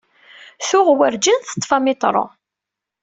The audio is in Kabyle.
Tuɣ werǧin teṭṭif amiṭru.